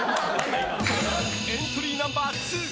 エントリーナンバー２。